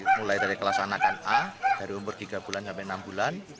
mulai dari kelas anakan a dari umur tiga bulan sampai enam bulan